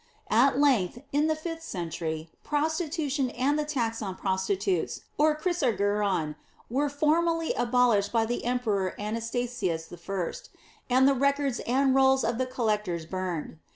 At length, in the fifth century, prostitution and the tax on prostitutes, or chrysarguron, were formally abolished by the Emperor Anastasius I., and the records and rolls of the collectors burned.